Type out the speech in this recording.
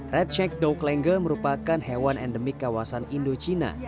red shag doak lenge merupakan hewan endemik kawasan indochina